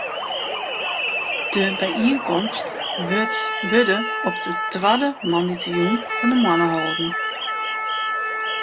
De byienkomsten wurde op de twadde moandeitejûn fan de moanne holden.